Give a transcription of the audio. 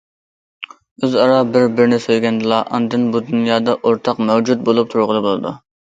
ئۆزئارا بىر- بىرىنى سۆيگەندىلا، ئاندىن بۇ دۇنيادا ئورتاق مەۋجۇت بولۇپ تۇرغىلى بولىدۇ.